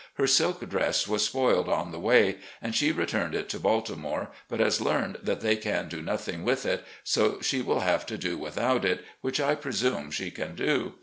Her silk dress was spoiled on the way, and she returned it to Baltimore, but has learned that they can do nothing with it, so she will have to do without it, which I presume she can do.